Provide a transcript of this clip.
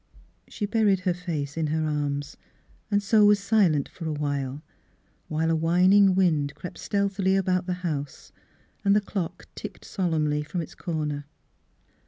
She buried her face in her arms, and so was silent for a time, while a whining wind crept stealthily about the house, and the clock ticked solemnly from its corner.